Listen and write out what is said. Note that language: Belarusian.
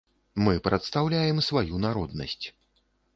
Мы прадстаўляем сваю народнасць.